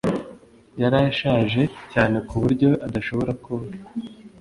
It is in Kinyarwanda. yari ashaje cyane ku buryo adashobora koga